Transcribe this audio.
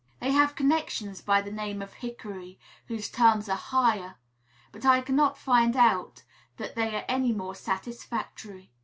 They have connections by the name of Hickory, whose terms are higher; but I cannot find out that they are any more satisfactory.